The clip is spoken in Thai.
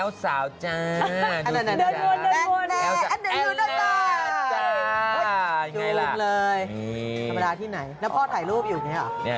เอาล่ะไปเล่นกันไทยอ่ะ